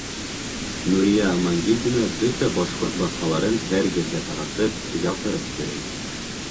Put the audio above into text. Нурия Амангилдина бөтә башҡорт баҫмаларын һәр ерҙә таратып, яҙҙырып йөрөй.